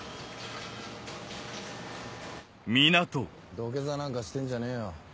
土下座なんかしてんじゃねえよ。